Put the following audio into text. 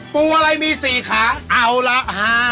ปูอะไรมี๔ขางเอาละ